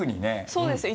そうですよ。